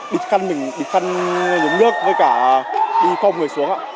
bị căn dùng nước với cả đi công người xuống